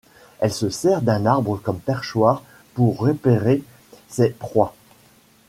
Elle se sert d'un arbre comme perchoir pour repérer ses proies.